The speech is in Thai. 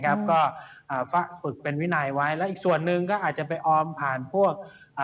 ก็ฝึกเป็นวินัยไว้แล้วอีกส่วนหนึ่งก็อาจจะไปออมผ่านพวก